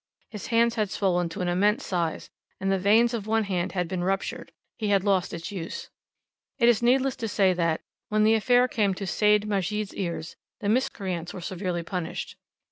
His hands had swollen to an immense size, and the veins of one hand having been ruptured, he had lost its use. It is needless to say that, when the affair came to Seyd Majid's ears, the miscreants were severely punished.